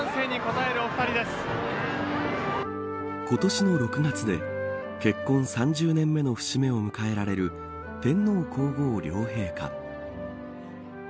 今年の６月で結婚３０年目の節目を迎えられる天皇皇后両陛下。